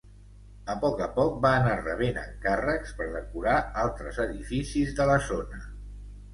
A poc a poc va anar rebent encàrrecs per decorar altres edificis de la zona.